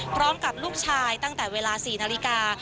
พร้อมกับลูกชายตั้งแต่เวลา๔นาฬิกา